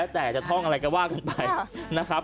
แต่จะท่องอะไรก็ว่ากันไปนะครับ